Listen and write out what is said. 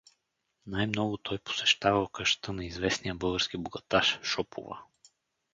Най-много той посещавал къщата на известния български богаташ Шопова.